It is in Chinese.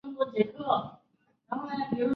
曼戈人口变化图示